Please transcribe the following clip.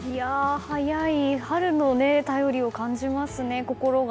早い春の便りを感じますね。